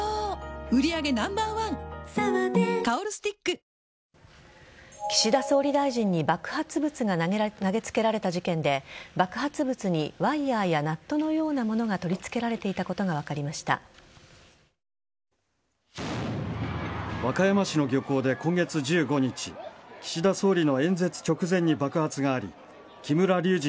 パトリオットを巡っては岸田総理大臣に爆発物が投げつけられた事件で爆発物にワイヤーやナットのようなものが取り付けられていたことが和歌山市の漁港で今月１５日岸田総理の演説直前に爆発があり木村隆二